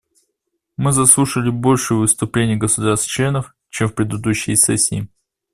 Мы заслушали больше выступлений государств-членов, чем в предыдущие сессии.